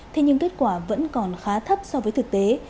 thế nhưng kết quả vẫn còn khá thấp so với thực tế